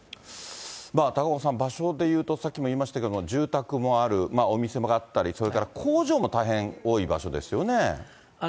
高岡さん、場所でいうと、さっきも言いましたけど、住宅もある、お店もあったり、それから工場も大変多い場所ですよね。